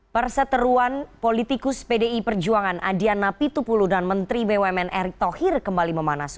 perseteruan politikus pdi perjuangan adian napi tupulu dan menteri bumn erick thohir kembali memanas